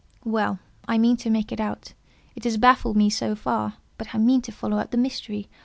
Well, I mean to make it out; it has baffled me so far, but I mean to follow up the mystery.